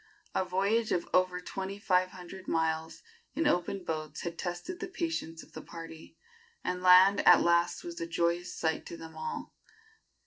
A voyage of over twenty five hundred miles in open boats had tested the patience of the party, and land at last was a joyous sight to them all.